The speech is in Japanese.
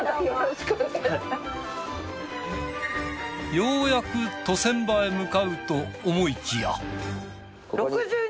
ようやく渡船場へ向かうと思いきや。